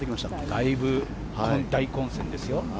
だいぶ大混戦ですよ。